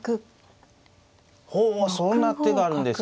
ほうそんな手があるんですか。